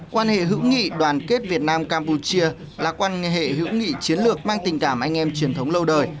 quan hệ hữu nghị đoàn kết việt nam campuchia là quan hệ hữu nghị chiến lược mang tình cảm anh em truyền thống lâu đời